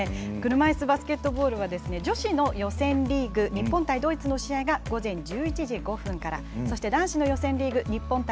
車いすバスケットボールは女子の予選リーグ日本対ドイツの試合が午前１１時５分からそして男子の予選リーグ日本対